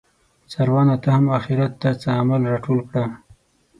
څاروانه ته هم اخیرت ته څه عمل راټول کړه